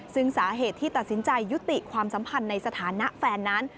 ซึ่งสาเหตุที่ตัดสินใจยุติความสัมพันธ์ในสถานะแฟนนั้น